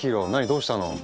どうしたの？